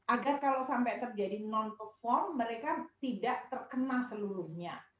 agar kalau sampai terjadi non perform mereka tidak terkena seluruhnya